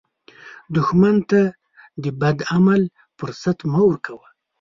دښمن ته د بد عمل فرصت مه ورکوه